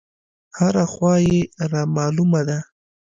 هره خوا يې رامالومه ده.